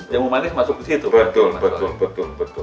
jamu manis masuk di situ